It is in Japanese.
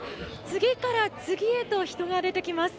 次から次へと人が出てきます。